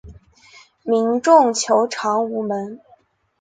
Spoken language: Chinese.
民众求偿无门